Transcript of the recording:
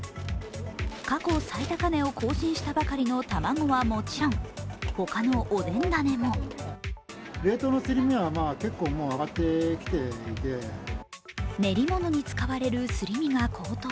過去最高値を更新したばかりの卵はもちろん他のおでんだねも練り物に使われるすり身が高騰。